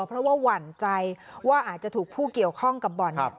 เพราะว่าหวั่นใจว่าอาจจะถูกผู้เกี่ยวข้องกับบ่อนเนี่ย